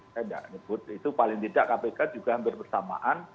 saya tidak nyebut itu paling tidak kpk juga hampir bersamaan